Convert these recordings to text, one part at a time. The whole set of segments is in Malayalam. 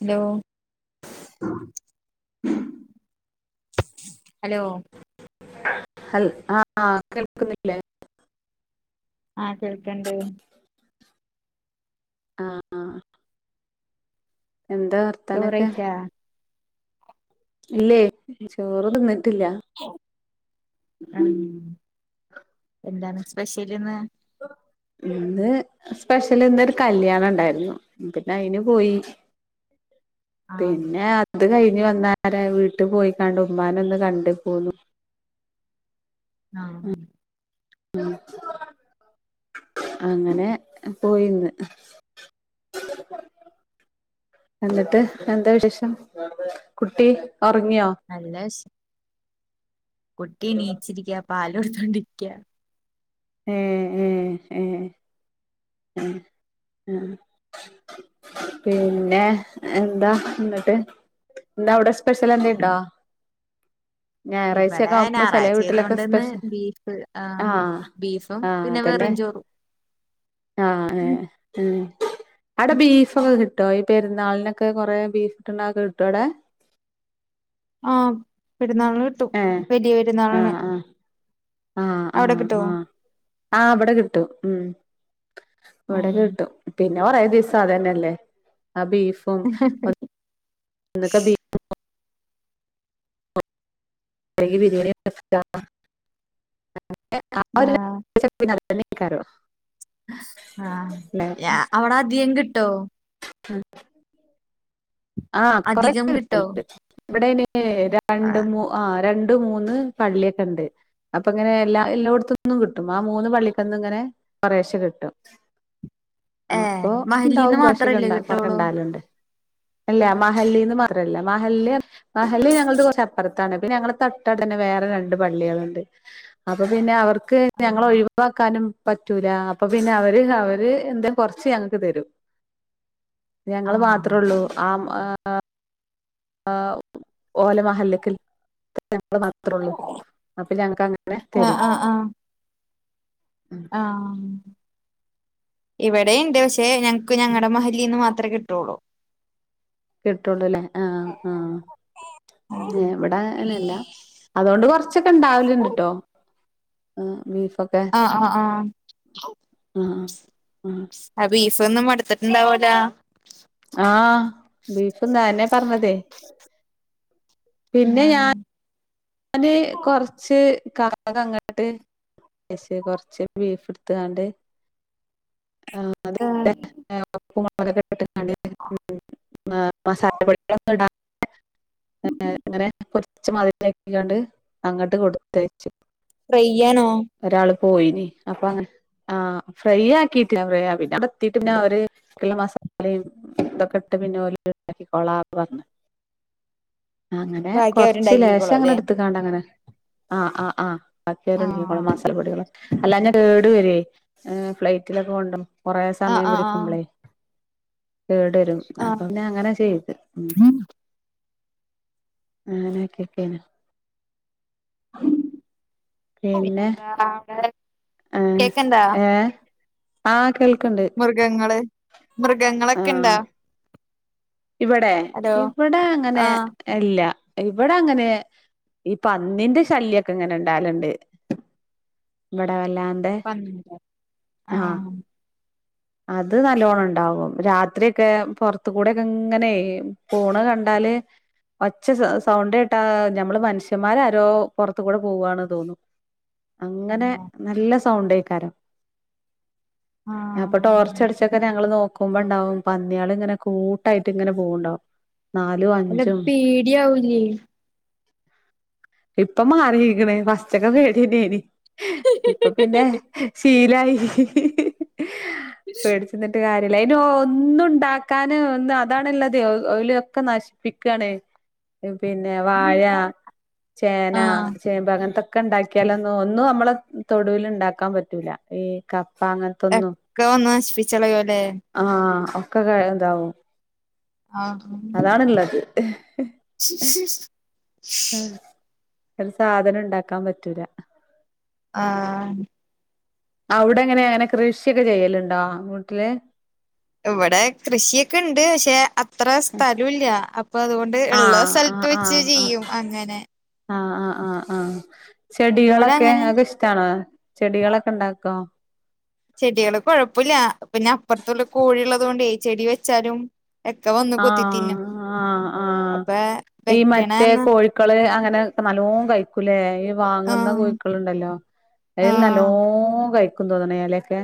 ഹലോ, ഹലോ ഹൽ ആഹ് കേൾക്കുന്നില്ലേ? ആഹ്, കേൾക്ക്ണ്ട്. ആഹ്, ആഹ് എന്താ വർ ചോറയിച്ച? ഇല്ലേ ചോറ് തിന്നിട്ടില്ല. ഉം എന്താണ് സ്പെഷ്യലിന്ന് ഇന്ന് സ്പെഷ്യല് ഇന്ന് ഒരു കല്യാണം ഉണ്ടായിരുന്നു പിന്നെ അയിന് പോയി ആഹ് പിന്നെ ഇത് കഴിഞ്ഞ് വന്ന് നേരെ വീട്ടിൽ പോയിക്കണ്ട് ഉമ്മാന ഒന്ന് കണ്ട് പോന്നു ആഹ് ഉം അങ്ങനെ പോയിന്ന് എന്നിട്ട് എന്താ വിശേഷം കുട്ടി ഉറങ്ങിയോ നല്ല വിശ് കുട്ടി നീച്ചിരിക്കുക പാല് കൊടുത്തോണ്ടിരിക്ക ഏ ഏ ഹെ ഉം ഉം പിന്നെ എന്താ എന്നിട്ട് ഇന്ന് അവിടെ സ്പെഷ്യൽ എന്തങ്ങിലും ഉണ്ടോ ഇവടെ ഞായറാഴ്ചയായത് വീട്ടിലൊക്കെ കൊണ്ടന്ന് സ്പെഷ്യൽ ബീഫ് ആഹ് ബീഫും ആഹ് പിന്നെ അതന്നെ വെറുംചോറും ആഹ് ഏ അവിടെ ബീഫ് ബീഫൊക്കെ കിട്ടോ ഈ പെരുന്നാളിനൊക്കെ കുറെ ബീഫ്ട്ട്ണോക്കെ കിട്ടോ അവിടെ ആം പെരുന്നാള്ന് കിട്ടും ഏഹ് വലിയ പെരുന്നാളിന് ആഹ് ആഹ് ആഹ് അവിടെ ആഹ് കിട്ടോ ആഹ് ആഹ് ഇവടെ കിട്ടും ഉം ഇവടെ കിട്ടും പിന്നെ കുറെ ദിവസം അതന്നെല്ലേ ആ ബീഫ് ഹ ഹ ന്നൊക്കെ ബീ ബിരിയാണി [unintelligible] [unintelligible] ആഹ് ല്ലേ. ഞാ അവിടെ അധികം കിട്ടോ ഉ ആഹ് അധികം കൊറക്കെ കിട്ടോ കിട്ടൽണ്ട് ഇവിടെയ്ൻ രണ്ട് ആഹ് മൂ ആഹ് രണ്ട് മൂന്ന് പള്ളിയൊക്കെ ണ്ട് അപ്പങ്ങനെ എല്ലാ എല്ലാടത്തൊന്നും കിട്ടും ആ മൂന്ന് പള്ളിക്കന്നും ഇങ്ങനെ കൊറെശെ കിട്ടും ഏഹ് അപ്പൊ ഉണ്ടാവും മഹല്ലിന്ന് കൊർശോക്കെ മാത്രല്ലേ ഉണ്ട കൊറക്ക കിട്ടുള്ളൂ ണ്ടാലുണ്ട് അല്ല മഹല്ലിന്ന് മാത്രല്ല മഹല്ല് മഹല്ല് ഞങ്ങളത് കുറച്ച് അപ്പറ താണ് പിന്നെ ഞങ്ങളെ തൊട്ടടുത്ത് തന്നെ വേറെ രണ്ട് പള്ളികളുണ്ട് അപ്പൊ പിന്നെ അവർ ക്ക് ആഹ് ഞങ്ങള ഒഴിവാക്കാനും പറ്റൂല അപ്പൊ പിന്നെ അവര് അവര് എന്തേ കുറച്ച് ഞങ്ങക്ക് തരും ഞങ്ങള് മാത്രള്ളൂ ആഹ് ആം ആഹ് ഓലമഹല്ല്ക്കിൽ ഞങ്ങള് മാത്രള്ളൂ അപ്പ ഞങ്ങക്ക് അങ്ങനെ തരും ആഹ് ആം ഇവിടെണ്ട് പക്ഷെ ഞങ്ങക്ക് ഞങ്ങളുടെ മഹലിന്ന് മാത്രേ കി ട്ടോളൂ കിട്ടുള്ളൂല്ലേ ആഹ് ആഹ് പിന്നെ ഇവടെ അങ്ങനെയല്ല അതുകൊണ്ട് കൊറച്ചൊക്കെ ഉണ്ടാവലുണ്ട്ട്ടോ അ ബീഫൊക്കെ ആഹ് ആഹ് ആഹ് ആഹ് ആഹ് ആഹ് ബീഫ്ന്ന് മട്ത്ട്ട്ണ്ടാവെലാ ആഹ് ബീഫ്ന്ന് അയന്നെ പർണതേ ആഹ് അത് കൊറച്ച് ക [unintelligible] അങ്ങട്ട് പക്ഷേ കൊർച്ച് ബീഫ്ട്ത്ത്കാണ്ട് ആഹ് ആഹ് ഏഹ് ഉപ്പും മുളകും ഇട്ട്കാണ്ട് ഉം മ മസാലപ്പൊടി ഹ്‌ടാ [unintelligible] ങ്ങനെ കൊർച്ച് മതി കിയാണ്ട് അങ്ങട്ട് കൊടുത്തയ്ച്ച് ഫ്രൈയ്യാണോ ഒരാള് പോയിനി അപ്പ അങ്ങനെ ആഹ് ഫ്രൈയ്യാക്കിറ്റ് [unintelligible] പിന്നെ അവടത്തീറ്റും പിന്നെ അവര് ഹ്ള്ള മസാലിം തൊക്കെട്ട് പിന്നെ ഓല് ണ്ടാക്കിക്കൊളാ പർണ് അങ്ങനെ ബാക്കി കൊർച്ച് ലേഷ് അവരുണ്ടാക്കിക്കോളും അല്ലേ ട്ട്ങ്ങാണ്ട അങ്ങനെ ആഹ് ആഹ് ആഹ് മറ്റേദ്ൺ മീക്കുള്ള ആഹ് മസാല പൊടികള് അല്ലാഞ കേട് വര്യോ ഫ്ലൈറ്റിലൊക്കെ കൊണ്ടം കൊറെ ആഹ് സമയം ആഹ് ആഹ് പിടിക്കുബ്ലേ കേടരും ആഹ് അപ്പൊ പിന്നെ അങ്ങനെ ചെയ്ത് ഉം അങ്ങനെക്കിക്ക്യേ പിന്നെ പിന്നെന്താ അവിടെ കേക്ക്ണ്ടാ ഏഹ് ആഹ് കേൾക്ണ്ട് മൃഗങ്ങള് മൃഗങ്ങ ആഹ് ഇവടെ ഹലോ ഇവ്വടെ അങ്ങനെ ആഹ് എല്ല ഇവടെ അങ്ങനെ ഈ പന്നിന്റെ ശല്യക്കെങ്ങനെണ്ടാല്ണ്ട് ഇവടെ വല്ലാൺ ട്ടെ പന്നി ആഹ് അത് നല്ലോണണ്ടാവും രാത്രിയെക്കെ പൊർത്ത് കൂടെയൊക്കങ്ങനെ പോണകണ്ടാല് ഒച്ച സ സൗണ്ടേട്ടാ ഞമ്മള് മനുഷ്യമ്മാരാരോ പൊറത്ത്കൂടെ പോവ്വാണ് തോന്നും അങ്ങനെ പന്നിയോ നല്ല സൗണ്ടേക്കാരം അപ്പൊ ആഹ് ടോർച്ചടിച്ചക്ക ഞങ്ങള് നോ ക്കുമ്പണ്ടാവും പന്ന്യേള്ങ്ങനെ കൂട്ടായ്ട്ടിങ്ങനെ പോവ്ണ്ടാവും നാലു അല്ല അഞ്ചും പേടിയാവൂലേ ഇപ്പ മാറീക്ണ് ഫസ് ഉച്ചക്കെ പേട്യന്നേനി ഇപ്പൊ പിന്നെ ശീലായി പേടിച്ച്ന്നിട്ട് കാര് യെലെ ഐൻ്റെ ഒന്നുണ്ടാക്കാന് ഒന്ന് അതാണ്ള്ളതെ ഒഹ് ഓല് ഒക്കെ നശ്പ്പിക്കാണ് ഇം പിന്നെ വാഴ ചേനാ ആഹ് ചേമ്പ് അങ്ങൻത്തൊക്കെണ്ടാക്ക്യാലൊന്നും ഒന്നും അമ്മള് തൊടൂല് ണ്ടാക്കാം പറ്റൂല ഈ കപ്പ അങ്ങ എക്ക വന്ന് നശിപ്പിച്ചളയോലേ ആഹ് ഒക്കെ കെഴതാവും അതാണ്ള്ളത് ശ് ശ് ശ് ആഹ് ഒര് സാധനണ്ടാക്കാം പറ്റൂല ആഹ് ഔടെങ്ങനെ ങ്ങനെ കൃഷിക്കെ ചെയ്യല്ണ്ടോ വീട്ട്ല് ഇവിടെ കൃഷിയക്ക്ണ്ട് പക്ഷെ അത്ര സ്ഥലുല്ല. അപ്പൊ അതുകൊ ട് ഇള്ള ആഹ് ആഹ് സ്ഥലത്ത് വെച്ച് ആഹ് ആഹ് ചെയ്യും അങ്ങനെ. ആഹ് ആഹ് ആഹ് ആഹ്. ഇവിടെ ചെടികളൊക്കെ അങ്ങനെ ഇങ്ങക്കിഷ് ടാണോ ചെടികളൊക്കിണ്ടാക്കോ? ചെടികള് കൊഴപ്പുല്ല പിന്നെ അപ്പുറത്തുള്ള കോഴിള്ളത് കൊണ്ടേ ചെടി വെച്ചാലും ഒക്കെ വന്ന് കൊത്തി തിന്നും ആഹ് ആഹ് ആഹ് അപ്പൊ ഈ മറ്റേ വെക്കണന്ന് കോഴിക്ക ക്കള് അങ്ങന നല്ലോ കയിക്ക്‌ ക്കൂല്ലേ ഈ വാങ്ങുന്ന ആഹ് കോഴിക്കള് ണ്ടല്ലോ അതിൽ നല്ലോ ആഹ് കയി ക്കു തോന്നണ്‌ എലെയക്കെ.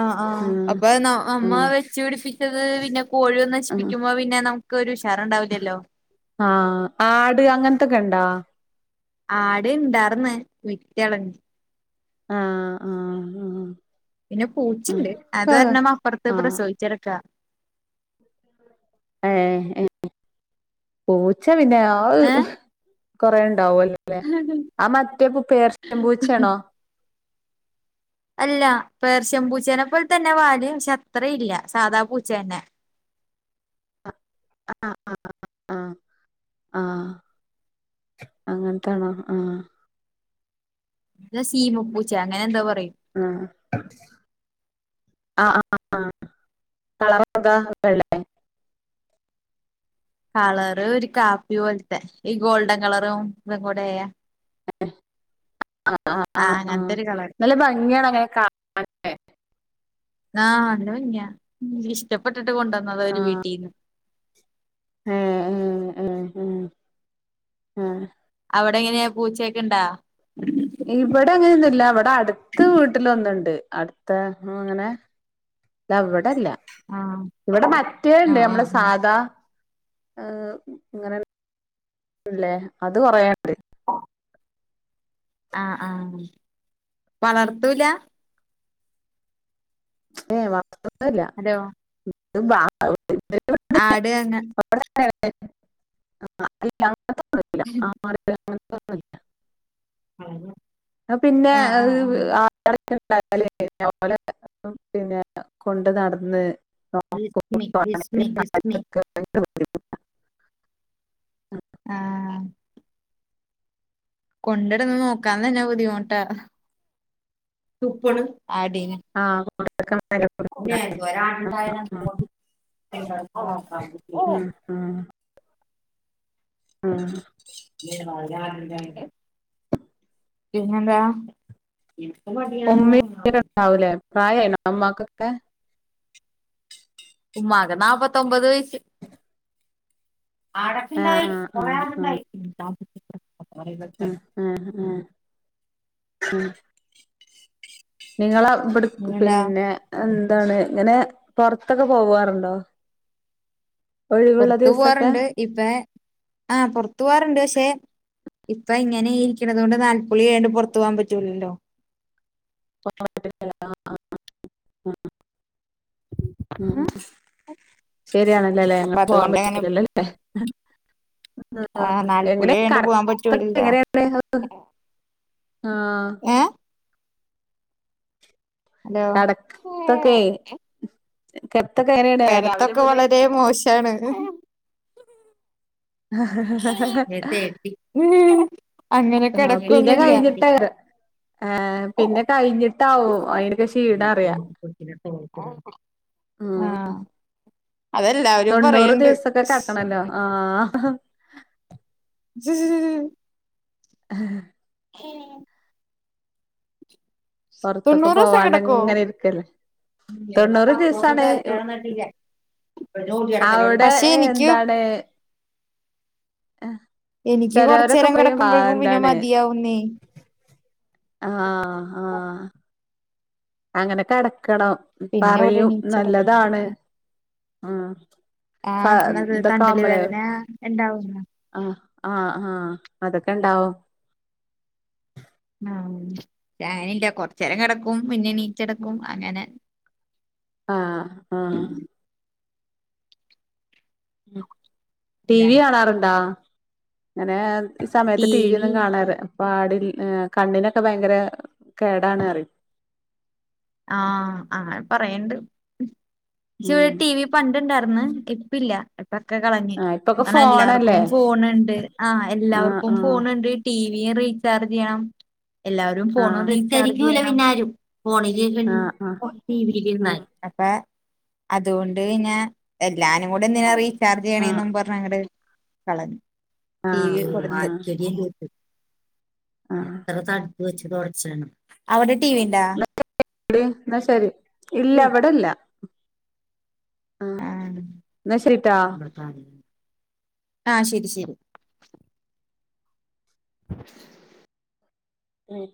ആഹ് ആഹ് അപ്പൊ ന നമ്മ വെച്ചു പിടിപ്പിച്ചത് പിന്നെ കോഴിവന്ന് ഉം നശിപ്പിക്കുമ്പോ പിന്നെ നമ് മ്ക്കൊ രുഷാറണ്ടാവില്ലല്ലോ? ആഹ് ആട് അങ്ങൻത്തൊക്കെ ഇണ്ടാ? ആടിണ്ടാർന്ന് വിറ്റളഞ്ഞ്. ആഹ് ആഹ് ആഹ്. പിന്നെ പൂച്ചണ്ട് ആഹ് അതൊരെണ്ണം അപ്പറത്ത് ആഹ് പ്രസവിച്ചെടക്കാ. ഏഹ് ഏഹ് പൂച്ച പിന്നെ ആ ഏഹ് കൊറെ ഉണ്ടാവുവല്ലോ ല്ലേ ആ മറ്റേപ്പൊ പേർഷ്യൻ പൂച്യാണോ? അല്ല പേർഷ്യൻ പൂച്ചേനെ പോലെ തന്നെ വാല്. പക്ഷെ അത്ര ഇല്ല സാധാ പൂച്ചേന്നെ. [inaudible] ആഹ് ആഹ്. അങ്ങനത്താണോ ആഹ്. ഞാ സീമപ്പൂച്ചയാ അങ്ങനെന്തോ പറയും. ആഹ്. ആ ആ ആഹ് കളറൊക്ക വെള്ളേയെ? കളറ് ഒരു കാപ്പി പോൽത്തെ ഈ ഗോൾഡൻ കളറും ഇതും കൂടെയായെ. ആഹ് ആഹ് ആഹ് ആഹ് അങ്ങനത്തെ ഒരു കളർ നല്ല ഭംഗിയാണ് അങ്ങനെ കാ ആഹ് നല്ല ഭംഗിയാ എനിക്കിഷ്ടപ്പെട്ടിട്ട് കൊണ്ടുവന്നത ഒരു ആഹ് വീട്ടീന്ന്. ഏഹ് ഏഹ് ഏഹ് ഏഹ് ഏഹ്. അവിടെങ്ങനെയാ പൂച്ചയൊക്കിണ്ടാ? ഇവിടെ അങ്ങനെയൊന്നുല്ല ഇവിടെ അടുത്ത വീട്ടിലൊന്നിണ്ട് അടുത്ത അങ്ങനെ അ ഇവിടെല്ല ആഹ് ഇവിടെ മറ്റേ ണ്ട് ആഹ് മ്മടെ ആഹ് ആഹ് സാധാ. ഇങ്ങനെ ല്ലേ അത് കൊറേ ണ്ട്. ആഹ് ആഹ് വളർത്തൂല. അതോ ആട് അങ്ങ [inaudible] [inaudible] ആന്നോ ആ പിന്നെ ആ [inaudible] പിന്നെ കൊണ്ട് നടന്ന് ബിസ്മി നോക്കണ [inaudible] ബിസ്മി ബിസ്മി ക [inaudible] ആഹ് കൊണ്ടടന്ന് നോക്കാൻ തന്നെ ബുദ്ധിമുട്ട തപ്പണ് ആടിനെ. ആഹ് [inaudible] പിന്നെ ഒരാളുണ്ടായാല [unintelligible] ആഹ് ആഹ് [unintelligible] പിന്നെന്താ? എന്ക്ക് മടിയാണ് ന്ന് പറഞ്ഞാ മതി. ണ്ടാവു ലെ പ്രായായിണോ ഇമ്മാക്കൊക്കെ? ഉമ്മാക്ക് നാപ്പത്തൊമ്പത് വയസ്. ആഹ് ആഹ് [unintelligible] ഏഹ് ഏഹ് ഏഹ് നിങ്ങളെ ഇവിടെ പിന്നെന്താ പിന്നെ എന്താണ് ഇങ്ങനെ പൊറത്തൊക്കെ പോവാറുണ്ടോ? ഒഴിവുള്ള പൊറത്തു ദിവസൊക്കെ പോവാറുണ്ട് ഇപൊ ആഹ് പൊറത്തു പോവാറുണ്ട് പക്ഷെ. ഇപ്പൊ ഇങ്ങനെ ഇരിക്കണത് കൊണ്ട് നാൽപ്പകുളി കയ്യാണ്ട് പൊറത്ത് പോവാൻ പറ്റൂല്ലല്ലോ? [unintelligible] ഉം ശരിയാണല്ലേല്ലേ അപ്പൊ ങ്ങക്ക് പോകാൻ അതുകൊണ്ട് അങ്ങനെ പറ്റൂലല്ലോ ലേ ആഹ് എങ്ങനെ നാൽപ്പുളി ആയോണ്ട് പോവാൻ കിടത്തൊക്കെ പറ്റൂലല്ലോ എങ്ങനെയ? [unintelligible] അ ആഹ് ഏഹ് ഹലോ കടത്തൊക്കെ കിടത്തൊക്കെ എങ്ങനെണ് രാവിലെ മുതല് [unintelligible] ആണ്. അങ്ങനെ ആ പിന്നെ കിടക്കൊന്നുല്ല കഴിഞ്ഞിട്ട കേറാ. ആഹ് പിന്നെ കഴിഞ്ഞിട്ടാവും അതിന്റൊക്കെ ക്ഷീണറിയാ. ഉം ആഹ് അതെല്ല തൊണ്ണൂറ് ദിവസൊക്കെ കിട്ക്കണല്ലോ ആഹ് ഏഹ് പൊറത്തൊക്കെ തൊണ്ണൂറ് ദിവസം പോവാണ്ട് കിടക്കോ അങ്ങനെ ഇരിക്കല്ലേ. തൊണ്ണൂറ് ദിവസാണ് അവടെ പക്ഷെ എനിക്ക് എന്താണ്. ആഹ് എനിക്ക് കൊറച്ചനേരം കിടക്കുമ്പോഴക്കും പിന്നെ മതിയാവുന്നേ ആഹ് ആഹ്. അങ്ങനെ കെടക്കണം പിന്നെ ഇവിടെ പറയും എണീച്ചട നല്ലതാണ്. ഉം ഫ ആഹ് അത് ഇതൊക്കെ തണ്ടല് ആവുമ്പളേ വേദന ഇണ്ടാവു. ആഹ് ആഹ് ആഹ് അതൊക്കെണ്ടാവും. ആഹ് ഞാനില്ല കൊറച് നേരം കിടക്കും പിന്നെ എണീച്നടക്കും അങ്ങനെ ആഹ് ആഹ് ടി വി കാണാറുണ്ടാ? അങ്ങനെ ഈ സമയത്ത് ടി വി ഒന്നും കാണാറ് പാടില്ല് ഏഹ് കണ്ണിനൊക്കെ ഭയങ്കര കേടാണ് പറയും ആഹ് ആഹ് പറയണ്ട് ഉം പക്ഷെ ഉം ഇവിടെ ടി വി പണ്ടെണ്ടാർന്ന് ഇപ്പോ ഇല്ല്യ ഇപ് ഇപ്പത്തെ കളഞ്ഞ്. ആഹ് ഇപ്പൊക്കെ കാരണം എല്ലാവർക്കും ഫോണല്ലേ ഫോൺ ഉണ്ട് ആഹ് ആഹ് എല്ലാവർക്കും ആഹ് ഫോൺ ഉണ്ട് ടി വി യും റീചാർജ് ചെയ്യണം എല്ലാവരും ഫോണും ആഹ് റീചർജ് ചെയ്യണം [unintelligible] ആഹ് ഫോൺ ടി വി ല് ഇരുന്നാൽ. അപ്പോ അതുകൊണ്ട് പിന്ന എല്ലാരും കൂടെ എന്തിനാ റി ചാർജ് ആഹ് ആഹ് ചെയ്യണെന്നും പറഞ് അങ്ങട് കളഞ് ടി ആഹ് വി ആഹ് ആഹ് ആഹ് കൊട്ത്ത് ആഹ് എത്ര തട്പ്പ് വെച്ച് തൊടച്ചാണ് അവിടെ ടിവിണ്ട [unintelligible] ന്നാ ശരി ഇല്ല ഇവടല്ല ആഹ് ശരിട്ടാ ഇവട്ത്താണെ ആഹ് ശരി ശരി ഉം